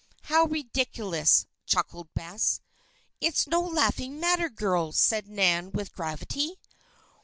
'" "How ridiculous!" chuckled Bess. "It is no laughing matter, girls," said Nan, with gravity.